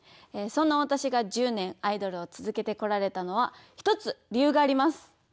そんなわたしが１０年アイドルを続けてこられたのは１つ理由があります。